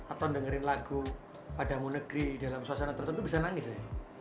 atau dengerin lagu padamu negeri dalam suasana tertentu bisa nangis ya